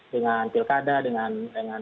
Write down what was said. dengan pilkada dengan